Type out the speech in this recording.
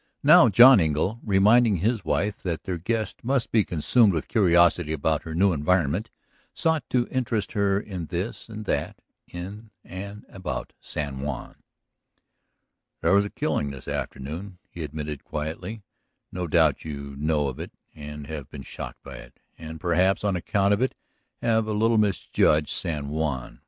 Now John Engle, reminding his wife that their guest must be consumed with curiosity about her new environment, sought to interest her in this and that, in and about San Juan. "There was a killing this afternoon," he admitted quietly. "No doubt you know of it and have been shocked by it, and perhaps on account of it have a little misjudged San Juan.